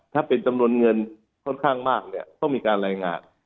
ถ้าเป็นจำนวนเงินค่อนข้างมากเนี่ยต้องมีการรายงาน